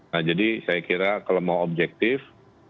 nah jadi saya kira kalau mau objektif